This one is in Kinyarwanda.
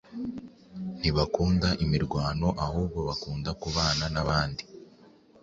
ntibakunda imirwano ahubwo bakunda kubana n’abandi